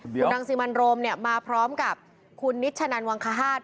คุณรังสิมันโรมเนี่ยมาพร้อมกับคุณนิชชะนันวังคฮาต